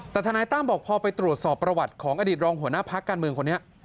แต่ทนายตั้มบอกพอไปตรวจสอบประวัติของอดีตรองหัวหน้าพักการเมืองคนนี้